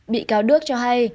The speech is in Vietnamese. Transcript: bị cáo đức cho hay